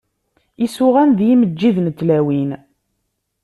Isuɣan d yimeǧǧiden n tlawin.